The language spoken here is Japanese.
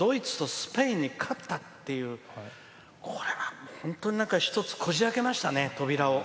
しかもドイツとスペインに勝ったっていうこれは本当に一つこじあけましたね、扉を。